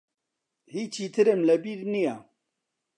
هیچی ترم لە بیر نییە.